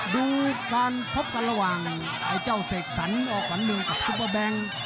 ดูการพบกันระหว่างไอ้เจ้าเสกสรรออกขวัญเมืองกับซุปเปอร์แบงค์